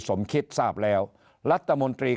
สมคิดทราบแล้วรัฐมนตรี